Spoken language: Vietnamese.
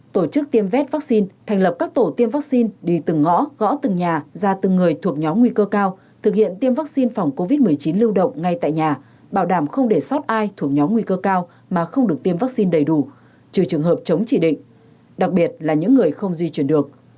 tổ chức tiêm vét vaccine thành lập các tổ tiêm vaccine đi từng ngõ gõ từng nhà ra từng người thuộc nhóm nguy cơ cao thực hiện tiêm vaccine phòng covid một mươi chín lưu động ngay tại nhà bảo đảm không để sót ai thuộc nhóm nguy cơ cao mà không được tiêm vaccine đầy đủ trừ trường hợp chống chỉ định đặc biệt là những người không di chuyển được